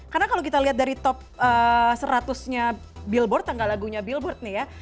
karena kalau kita lihat dari top seratus nya billboard tangga lagunya billboard nih ya